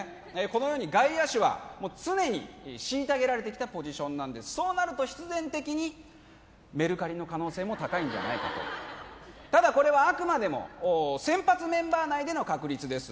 このように外野手は常にしいたげられてきたポジションなんですそうなると必然的にメルカリの可能性も高いんじゃないかとただこれはあくまでも先発メンバー内での確率です